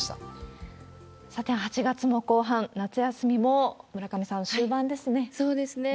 さて、８月も後半、夏休みも、村上さん、そうですね。